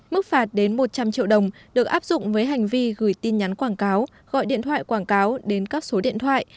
mức phạt đến một trăm linh triệu đồng được áp dụng với hành vi gửi tin nhắn quảng cáo gọi điện thoại quảng cáo đến các số điện thoại